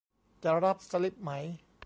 จะรับสลิปไหม